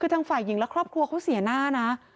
คือทางฝ่ายหญิงและครอบครัวเขาเสียหน้านะ